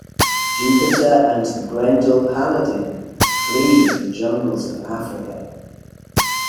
Jupiter and the Grendel paladin flee to the jungles of Africa.